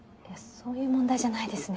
そういう問題じゃないですね